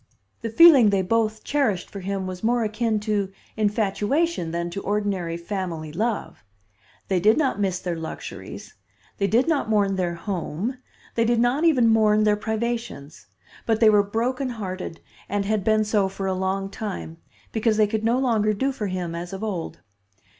The feeling they both cherished for him was more akin to infatuation than to ordinary family love. They did not miss their luxuries, they did not mourn their home, they did not even mourn their privations; but they were broken hearted and had been so for a long time, because they could no longer do for him as of old.